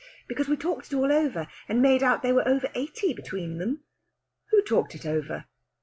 _ Because we talked it all over, and made out they were over eighty between them." "Who talked it over?"